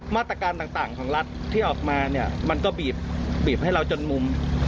มาตรการต่างของรัฐที่ออกมาเนี่ยมันก็บีบให้เราจนมุม